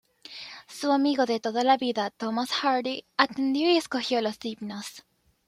Su amigo de toda la vida Thomas Hardy atendió y escogió los himnos.